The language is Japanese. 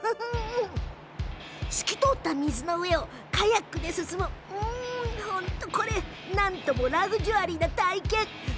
透き通った水の上をカヤックで進むうーん、これラグジュアリーな体験ですよ。